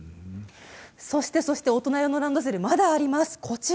そしてそして大人用のランドセルまだあります。